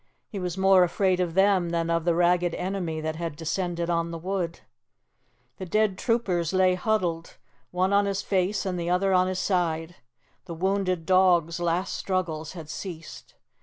He was more afraid of them than of the ragged enemy that had descended on the wood. The dead troopers lay huddled, one on his face and the other on his side; the wounded dog's last struggles had ceased.